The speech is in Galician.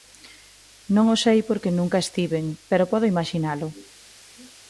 Non o sei porque nunca estiven, pero podo imaxinalo.